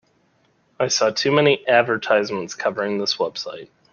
I saw too many advertisements covering this website.